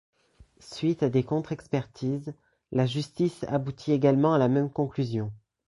Suite à des contre-expertises, la justice aboutit également à la même conclusion.